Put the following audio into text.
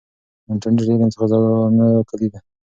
انټرنیټ د علم د خزانو کلي ده.